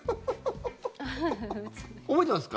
覚えてます？